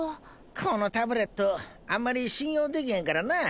このタブレットあんまり信用できへんからなあ。